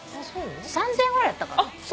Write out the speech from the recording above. ３，０００円ぐらいだったかな。